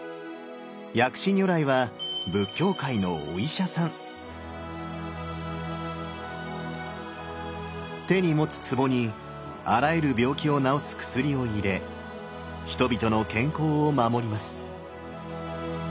薬師如来は手に持つ壺にあらゆる病気を治す薬を入れ人々の健康を守ります。